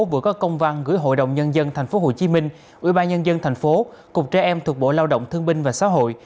vừa có công văn gửi hội đồng nhân dân tp hcm ubnd tp cục trẻ em thuộc bộ lao động thương binh và xã hội